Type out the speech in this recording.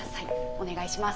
お願いします。